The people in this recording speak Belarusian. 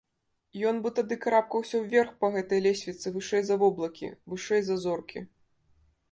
Ён бы тады карабкаўся ўверх па гэтай лесвіцы вышэй за воблакі, вышэй за зоркі.